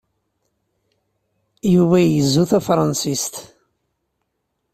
Yuba igezzu tafṛansist.